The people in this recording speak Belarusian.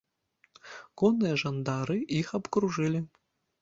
Конныя жандары іх абкружылі.